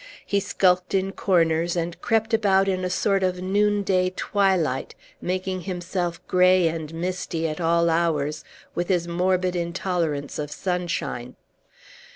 He skulked in corners, and crept about in a sort of noonday twilight, making himself gray and misty, at all hours, with his morbid intolerance of sunshine.